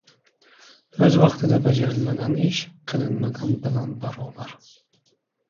• O‘z vaqtida bajarilmagan ish ― qilinmagan bilan barobar.